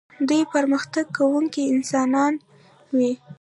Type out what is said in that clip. دوی پرمختګ کوونکي انسانان وي.